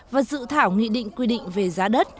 và dự thảo nghị định quy định về giá đất